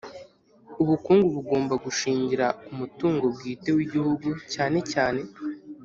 Ubukungu bugomba gushingira ku mutungo bwite w Igihugu cyane cyane